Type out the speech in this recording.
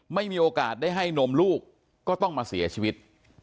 ไม่มีโอกาสได้ให้นมลูกก็ต้องมาเสียชีวิต